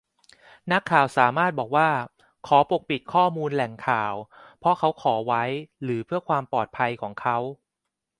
นักข่าวสามารถบอกว่า ขอปกปิดข้อมูลแหล่งข่าว เพราะเขาขอไว้หรือเพื่อความปลอดภัยของเขา